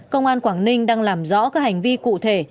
công an quảng ninh đang làm rõ các hành vi cụ thể